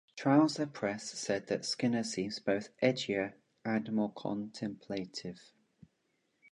Trouser Press said that Skinner seems both edgier and more contemplative.